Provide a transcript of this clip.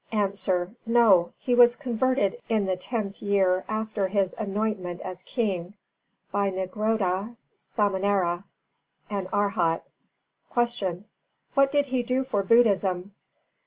_ A. No, he was converted in the tenth year after his anointment as King, by Nigrodha Samanera, an Arhat. 293. Q. _What did he do for Buddhism?